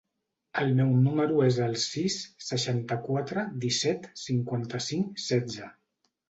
El meu número es el sis, seixanta-quatre, disset, cinquanta-cinc, setze.